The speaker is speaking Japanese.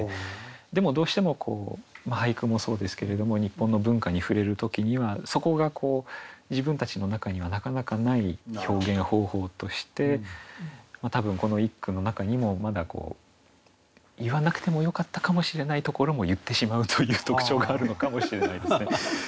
でもどうしても俳句もそうですけれども日本の文化に触れる時にはそこが自分たちの中にはなかなかない表現方法として多分この一句の中にもまだ言わなくてもよかったかもしれないところも言ってしまうという特徴があるのかもしれないですね。